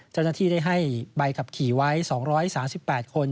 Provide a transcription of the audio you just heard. เจ้าหน้าที่ได้ให้ใบขับขี่ไว้๒๓๘คน